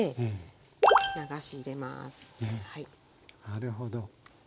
なるほど。